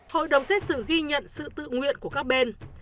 hội đồng xét xử ghi nhận sự tự nguyện của các bên